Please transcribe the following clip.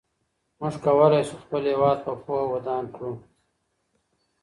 موږ کولای سو خپل هېواد په پوهه ودان کړو.